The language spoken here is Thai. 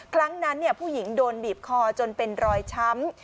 ครั้งนั้นผู้หญิงโดนบีบคอจนเป็นรอยช้ำ